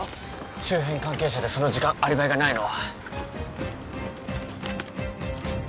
周辺関係者でその時間アリバイがないのは？